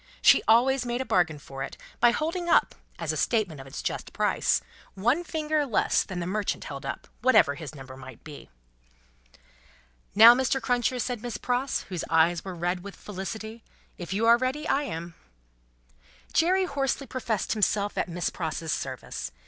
She always made a bargain for it, by holding up, as a statement of its just price, one finger less than the merchant held up, whatever his number might be. "Now, Mr. Cruncher," said Miss Pross, whose eyes were red with felicity; "if you are ready, I am." Jerry hoarsely professed himself at Miss Pross's service.